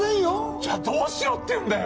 じゃあどうしろって言うんだよ！